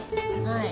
はい。